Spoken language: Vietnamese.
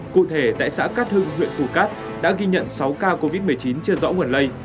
cụ thể tại xã cát hưng huyện phù cát đã ghi nhận sáu ca covid một mươi chín chưa rõ nguồn lây